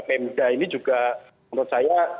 pemda ini juga menurut saya